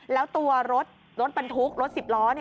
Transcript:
แล้วตัวรถบรรทุกรถ๑๐ล้อ